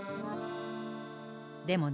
でもね